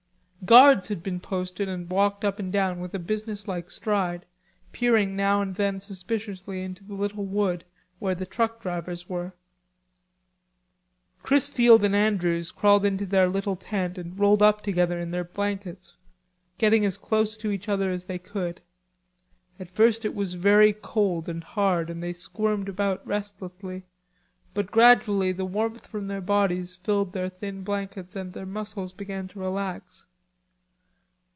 Guards had been posted and walked up and down with a business like stride, peering now and then suspiciously into the little wood where the truck drivers were. Chrisfield and Andrews crawled into their little tent and rolled up together in their blankets, getting as close to each other as they could. At first it was very cold and hard, and they squirmed about restlessly, but gradually the warmth from their bodies filled their thin blankets and their muscles began to relax.